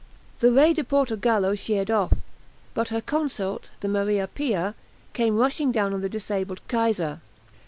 The "Re di Portogallo" sheered off, but her consort, the "Maria Pia," came rushing down on the disabled "Kaiser."